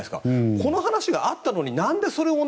この話があったのに何で、それを。